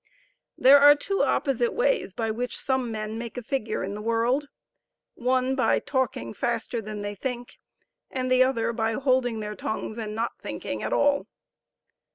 There are two opposite ways by which some men make a figure in the world; one by talking faster than they think, and the other by holding their tongues and not thinking at all.